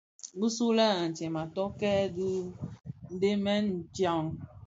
Bisulè antsem a tokkè dhidenèn dja.